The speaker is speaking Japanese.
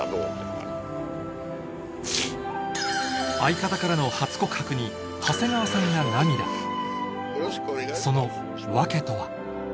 相方からの初告白に長谷川さんが涙その訳とは？